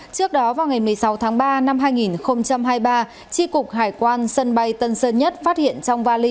trước đó vào ngày một mươi sáu tháng ba năm hai nghìn hai mươi ba tri cục hải quan sân bay tân sơn nhất phát hiện trong vali